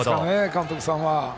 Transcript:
監督さんは。